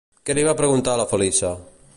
Què li va preguntar la Feliça?